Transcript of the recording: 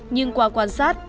nhưng qua quan sát